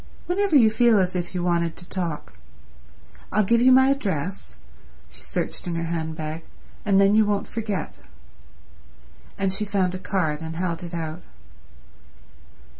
Whenever you feel as if you wanted to talk. I'll give you my address"—she searched in her handbag—"and then you won't forget." And she found a card and held it out.